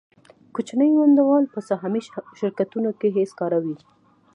کوچني ونډه وال په سهامي شرکتونو کې هېڅکاره وي